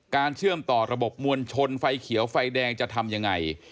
เชื่อมต่อระบบมวลชนไฟเขียวไฟแดงจะทำยังไง